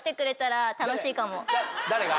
誰が？